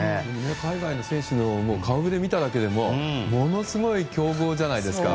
海外の選手の顔ぶれを見ただけでもものすごい強豪じゃないですか。